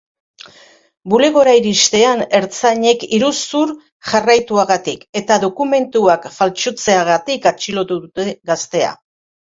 Bulegora iristean, ertzainek iruzur jarraituagatik eta dokumentuak faltsutzeagatik atxilotu dute gaztea.